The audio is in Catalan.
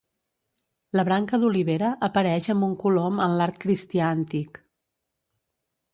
La branca d'olivera apareix amb un colom en l'art cristià antic.